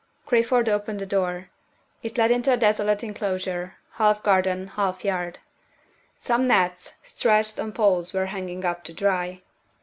Crayford opened the door. It led into a desolate inclosure, half garden, half yard. Some nets stretched on poles were hanging up to dry.